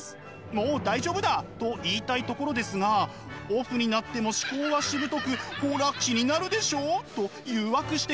もう大丈夫だと言いたいところですがオフになっても思考はしぶとく「ほら気になるでしょ」と誘惑してきます。